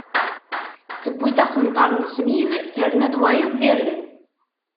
Tewwi-d aqenṭar n smid, terna-d wayeḍ d irden.